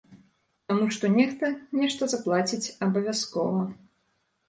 Таму што нехта нешта заплаціць абавязкова.